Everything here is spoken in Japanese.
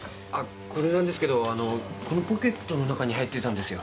これなんですけどこのポケットの中に入ってたんですよ。